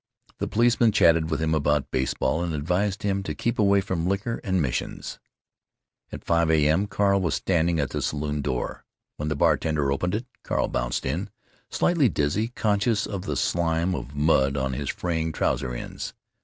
The policeman chatted with him about baseball and advised him to keep away from liquor and missions. At 5 a.m. Carl was standing at the saloon door. When the bartender opened it Carl bounced in, slightly dizzy, conscious of the slime of mud on his fraying trouser ends.